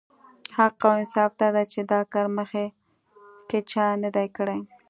حق او انصاف دا دی چې دا کار مخکې چا نه دی کړی.